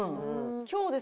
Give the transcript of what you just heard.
今日ですら。